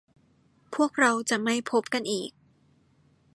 พวกเราจะไม่พบกันอีก